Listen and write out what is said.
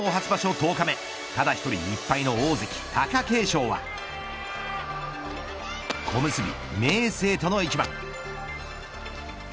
１０日目ただ１人、１敗の大関、貴景勝は小結、明生との一番。